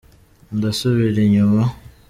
ndasubira inyuma.